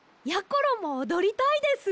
ころもおどりたいです。